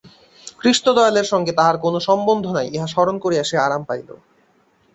কৃষ্ণদয়ালের সঙ্গে তাহার কোনো সম্বন্ধ নাই ইহা স্মরণ করিয়া সে আরাম পাইল।